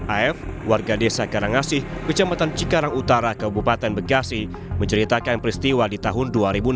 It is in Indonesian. af warga desa karangasih kecamatan cikarang utara kabupaten bekasi menceritakan peristiwa di tahun dua ribu enam belas